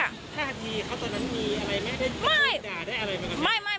ถ้าที่เขาตอนนั้นมีอะไรไม่ได้ด่าได้อะไรเหมือนกัน